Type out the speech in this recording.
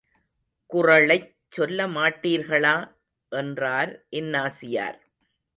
குறளைச் சொல்லமாட்டீர்களா? என்றார் இன்னாசியார்.